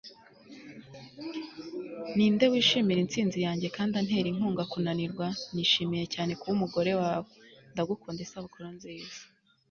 ninde wishimira intsinzi yanjye kandi antera inkunga kunanirwa. nishimiye cyane kuba umugore wawe. ndagukunda. isabukuru nziza